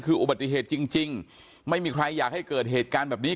คืออุบัติเหตุจริงจริงไม่มีใครอยากให้เกิดเหตุการณ์แบบนี้